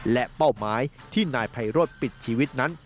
และเป้าหมายที่นายไพโรธปิดชีวิตนั้น